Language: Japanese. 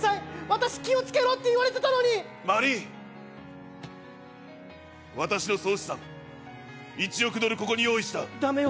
私気をつけろって言われてたのにマリーン私の総資産１億ドルここに用意したダメよ